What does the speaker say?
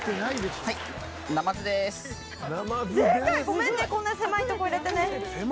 ごめんねこんな狭いとこ入れてね。